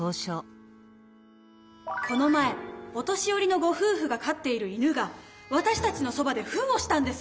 この前お年寄りのごふうふが飼っている犬がわたしたちのそばでふんをしたんです。